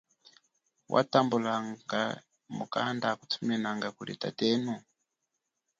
Watambulanga mukanda akuthuminanga kuli tatenu?